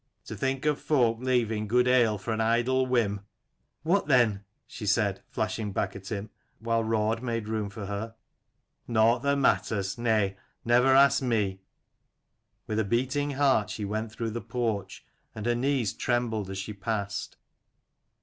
To think of folk leaving good ale for an idle whim." "What then?" she said, flashing back at him, while Raud made room for her. "Nought that matters: nay, never ask me." With a beating heart she went through the porch, and her knees trembled as she passed.